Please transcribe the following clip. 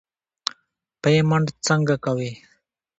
پیمنټ څنګه کوې.